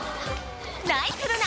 ナイスルナ！